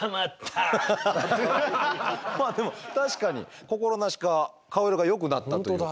まあでも確かに心なしか顔色がよくなったというか。